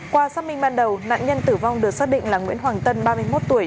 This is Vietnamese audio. qua xác minh ban đầu nạn nhân tử vong được xác định là nguyễn hoàng tân ba mươi một tuổi